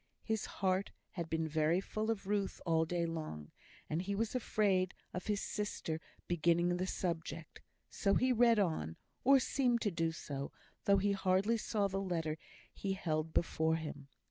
His heart had been very full of Ruth all day long, and he was afraid of his sister beginning the subject; so he read on, or seemed to do so, though he hardly saw the letter he held before him.